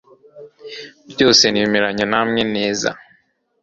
byose nemeranya namwe neza